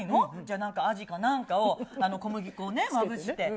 なんかアジかなんかを、小麦粉をね、まぶして。